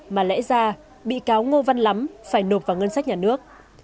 mà lẽ ra bị cáo ngô văn lắm phải nộp vào ngân sách nhà nước